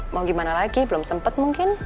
mau gimana lagi belum sempat mungkin